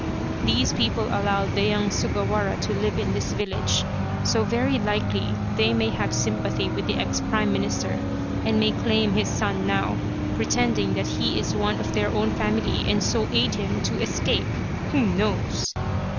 These people allowed the young Sugawara to live in this village, so very likely they may have sympathy with the ex Prime Minister and may claim his son now, pretending that he is one of their own family, and so aid him to escape ! Who knows